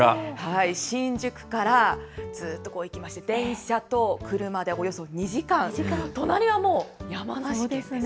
新宿から、ずっと行きまして、電車と車でおよそ２時間、隣はもう、山梨県ですね。